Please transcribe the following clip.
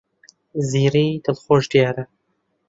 زیری دڵخۆش دیارە.